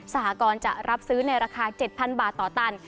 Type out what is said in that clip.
หกรณ์จะรับซื้อในราคา๗๐๐บาทต่อตัน